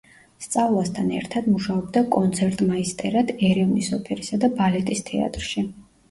სწავლასთან ერთად მუშაობდა კონცერტმაისტერად ერევნის ოპერისა და ბალეტის თეატრში.